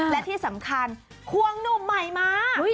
และที่สำคัญควงหนุ่มใหม่มา